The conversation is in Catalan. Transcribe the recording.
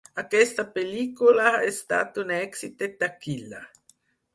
Aquesta pel·lícula ha estat un èxit de taquilla.